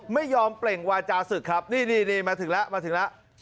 ไม่ยอมเปล่งวาจาศึกครับนี่มาถึงแล้วมาถึงแล้ว